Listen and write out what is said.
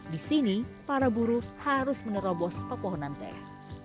di sini para buru harus menerobos pepohonan teh